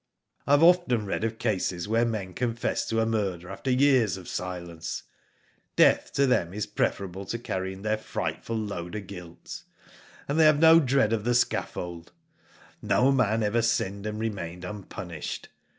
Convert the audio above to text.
I have pften read of cases where men confess to a murder after years of silence* Death to them is Digitized byGoogk 48 IV//0 DID ITf preferable to carrying their frightful load of guilt, and they have no dread of the scaffold. No man ever sinned and remained unpunished.